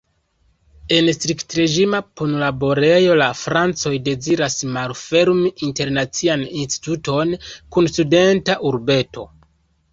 En striktreĝima punlaborejo la francoj deziras malfermi internacian instituton kun studenta urbeto.